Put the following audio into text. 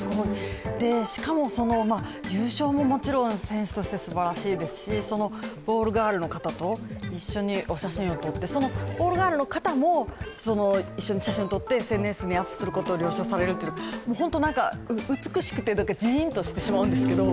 しかも、その優勝ももちろん選手としてすばらしいですしボールガールの方と一緒にお写真を撮って、そのボールガールの方も一緒に写真を撮ってＳＮＳに投稿することを了承されるって、本当に美しくてジーンとしてしまうんですけど。